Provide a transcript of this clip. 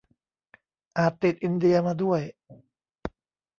อาจติดอินเดียมาด้วย